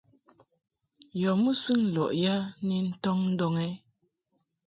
Yɔ mɨsɨŋ lɔʼ ya ni ntɔŋ ndɔŋ ɛ ?